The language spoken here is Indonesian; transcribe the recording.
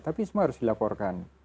tapi semua harus dilaporkan